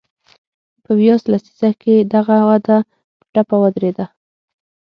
په ویاس لسیزه کې دغه وده په ټپه ودرېده.